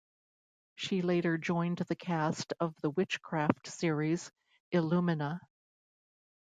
She later joined the cast of the witchcraft series "Ilumina".